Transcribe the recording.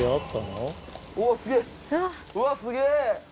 うわっすげぇ！